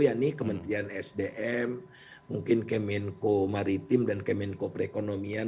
ya ini kementerian sdm mungkin kemenko maritim dan kemenko perekonomian